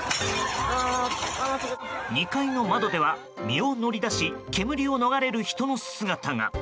２階の窓では身を乗り出し煙を逃れる人の姿が。